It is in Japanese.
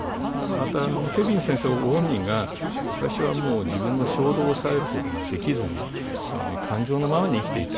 また、ケヴィン先生本人が昔は自分の衝動を抑えることができずに感情のままに生きていた。